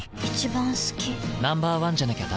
Ｎｏ．１じゃなきゃダメだ。